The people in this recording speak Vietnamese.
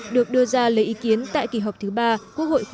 được đưa ra lời ý kiến tại kỳ họp thứ ba của hội khóa một mươi bốn